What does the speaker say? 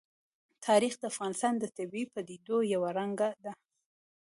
تاریخ د افغانستان د طبیعي پدیدو یو رنګ دی.